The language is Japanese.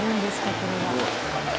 これは。